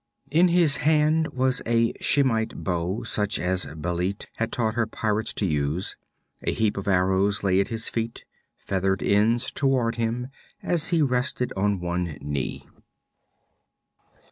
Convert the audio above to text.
In his hand was a Shemite bow, such as Bêlit had taught her pirates to use. A heap of arrows lay at his feet, feathered ends towards him, as he rested on one knee.